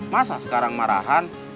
masa sekarang marahan